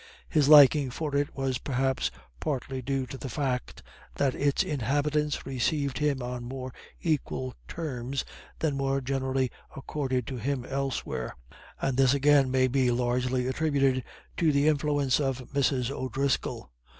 His liking for it was perhaps partly due to the fact that its inhabitants received him on more equal terms than were generally accorded to him elsewhere; and this again may be largely attributed to the influence of Mrs. O'Driscoll.